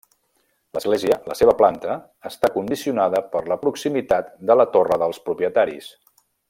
L'església, la seva planta, està condicionada per la proximitat de la Torre dels propietaris.